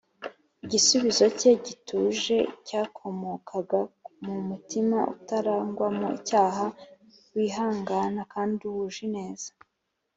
igisubizo cye gituje cyakomokaga mu mutima utarangwamo icyaha, wihangana kandi wuje ineza